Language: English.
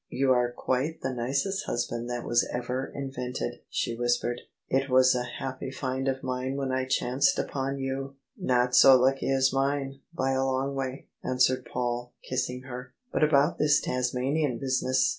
" You are quite the nicest hus band that was ever invented," she whispered. " It was a happy find of mine when I chanced upon you I "" Not so lucky as mine, by a long way," answered Paul, kissing her. "But about this Tasmanian business?